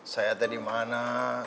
saya teh di mana